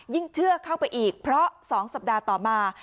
เชื่อเข้าไปอีกเพราะ๒สัปดาห์ต่อมา